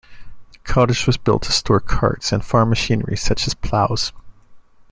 The cottage was built to store carts and farm machinery such as ploughs.